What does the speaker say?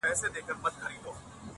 په خپلوي یې عالمونه نازېدله.!